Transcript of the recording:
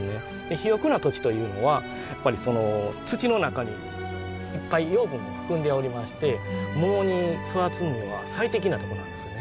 肥沃な土地というのはやっぱり土の中にいっぱい養分を含んでおりまして桃が育つのには最適なとこなんですね。